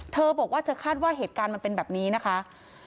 เธอบอกว่าเธอคาดว่าเหตุการณ์มันเป็นแบบนี้นะคะ